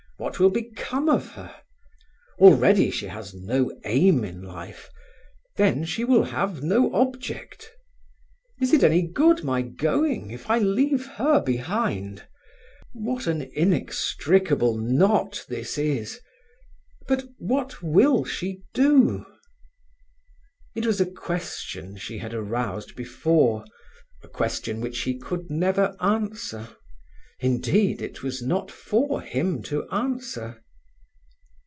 What will become of her? Already she has no aim in life; then she will have no object. Is it any good my going if I leave her behind? What an inextricable knot this is! But what will she do?" It was a question she had aroused before, a question which he could never answer; indeed, it was not for him to answer.